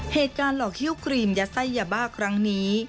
เหตุการณ์หลอกฮิ้วกรีมยัดไส้ยาบ้าครั้งนี้